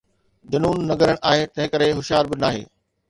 جنون نه گرڻ آهي، تنهنڪري هوشيار به ناهي